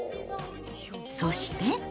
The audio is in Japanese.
そして。